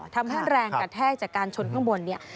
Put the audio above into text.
ทำให้แรงกระแทกจากการชนข้างบนเนี่ย